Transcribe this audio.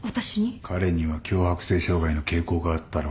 彼には強迫性障害の傾向があったろ。